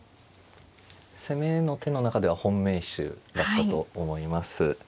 攻めの手の中では本命手だったと思います。